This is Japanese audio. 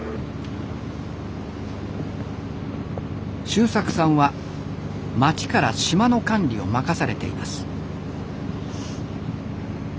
修策さんは町から島の管理を任されています。